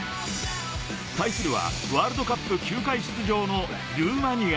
対するはワールドカップ９回出場のルーマニア。